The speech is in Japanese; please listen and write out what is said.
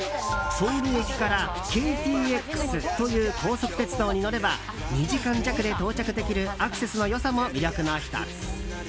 ソウル駅からＫＴＸという高速鉄道に乗れば２時間弱で到着できるアクセスの良さも魅力の１つ。